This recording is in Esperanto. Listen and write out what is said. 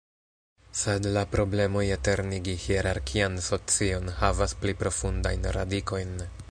Sed la problemoj eternigi hierarkian socion havas pli profundajn radikojn.